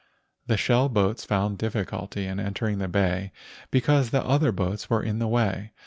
The shell boats found difficulty in entering the bay because the other boats were in the way.